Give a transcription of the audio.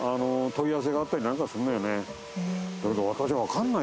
問い合わせがあったりなんかするのよねだけど私